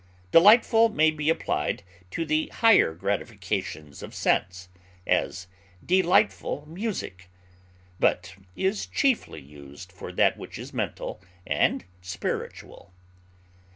Delightful may be applied to the higher gratifications of sense, as delightful music, but is chiefly used for that which is mental and spiritual.